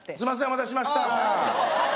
お待たせしました。